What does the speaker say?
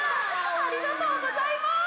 ありがとうございます。